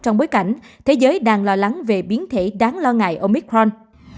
trong bối cảnh thế giới đang lo lắng về biến thể đáng lo ngại omicron